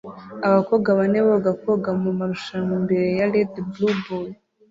Abakobwa bane boga koga mu marushanwa imbere ya Red Bull buoy